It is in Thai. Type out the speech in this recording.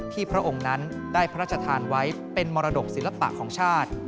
พระองค์นั้นได้พระราชทานไว้เป็นมรดกศิลปะของชาติ